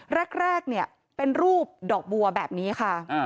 แรกเนี่ยเป็นรูปดอกบัวแบบนี้ค่ะ